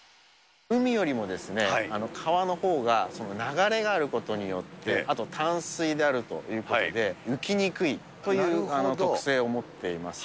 海よりも、川のほうが流れがあることによって、あと淡水であるということで、浮きにくいという特性を持っています。